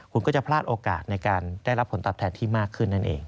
คุณก็จะพลาดโอกาสในการได้รับผลตอบแทนที่มากขึ้นนั่นเอง